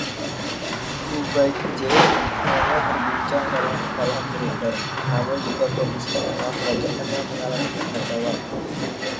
Hubaekje tidak hanya terguncang karena kekalahan militer, namun juga kondisi internal kerajaan yang mengalami kekacauan.